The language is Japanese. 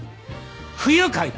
不愉快だ！